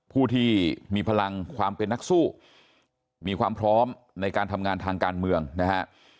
ผู้ที่มีพลังความเป็นนักสู้มีความพร้อมในการทำงานทางการเมืองนะฮะ